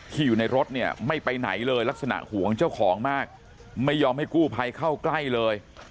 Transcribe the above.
อยู่ในรถเนี่ยไม่ไปไหนเลยลักษณะห่วงเจ้าของมากไม่ยอมให้กู้ภัยเข้าใกล้เลย